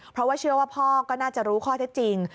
เพราะว่าเชื่อว่าพ่อก็น่าจะรู้ข้อเท็จจริง